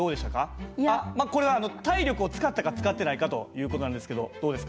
これは体力を使ったか使ってないかという事なんですけどどうですか？